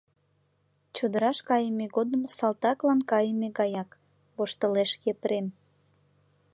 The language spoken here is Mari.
— Чодыраш кайыме годым салтаклан кайыме гаяк, — воштылеш Епрем.